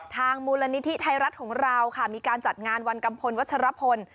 มูลนิธิไทยรัฐของเราค่ะมีการจัดงานวันกัมพลวัชรพล